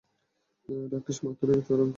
রাকেশ মাথুর ও চরণ কুমার।